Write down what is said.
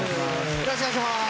よろしくお願いします。